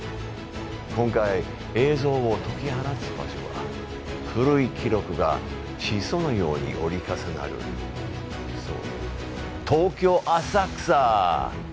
今回、映像を解き放つ場所は古い記録が地層のように折り重なるそう、東京・浅草。